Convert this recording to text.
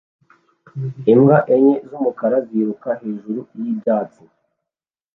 Imbwa enye z'umukara ziruka hejuru y'ibyatsi